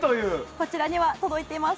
こちらには届いています！